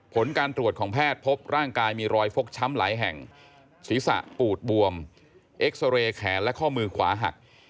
ผลการตรวจของแพทย์พบร่างกายมีรอยฟกช้ำหลายแห่งศีรษะปูดบวมเอ็กซาเรย์แขนและข้อมือขวาหัก